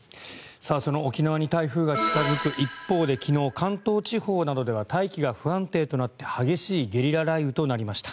その沖縄に台風が近付く一方で昨日、関東地方などでは大気が不安定となって激しいゲリラ雷雨となりました。